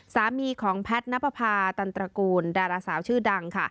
สามีของแพทย์นับประพาตันตระกูลดาราสาวชื่อดังค่ะ